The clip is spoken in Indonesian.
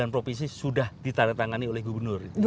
dua puluh sembilan provinsi sudah ditarik tangani oleh gubernur